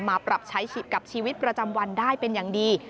มาปรับใช้ชีวิตกับชีวิตประจำวันได้เป็นอย่างดี